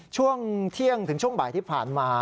ช่วงเที่ยงถึงช่วงบ่ายที่ผ่านมา